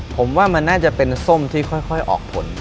ผมว่ามันน่าจะเป็นส้มที่ค่อยออกผล